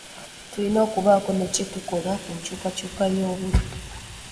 Tulina okubaako ne kye tukola ku nkyukakyuka y'obudde